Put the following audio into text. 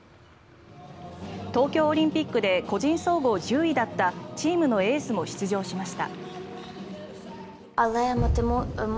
東京オリンピックで個人総合１０位だったチームのエースも出場しました。